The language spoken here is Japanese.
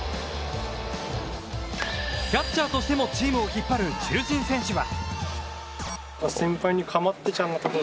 キャッチャーとしてもチームを引っ張る中心選手は。